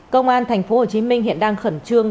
công an tp hcm hiện đang khẩn trương